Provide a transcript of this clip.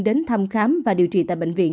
đến thăm khám và điều trị tại bệnh viện